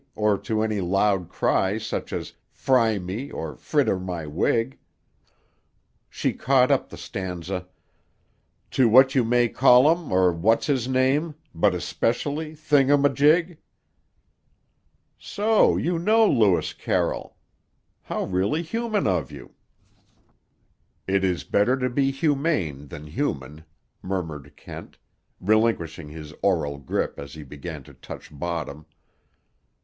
or to any loud cry Such as 'Fry me' or 'Fritter my wig'!" She caught up the stanza: "To 'What you may call um' or 'What was his name!' But especially 'Thing um a jig.'" "So you know Lewis Carroll. How really human of you!" "It is better to be humane than human," murmured Kent, relinquishing his aural grip as he began to touch bottom.